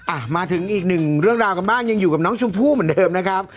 อ่ะมาถึงอีกหนึ่งเรื่องราวกันบ้างยังอยู่กับน้องชมพู่เหมือนเดิมนะครับ